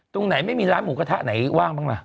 ตรงไหนไม่มีร้านหมูกระทะไหนว่างบ้างล่ะ